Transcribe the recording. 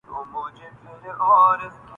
کہ اگر تنگ نہ ہوتا تو پریشاں ہوتا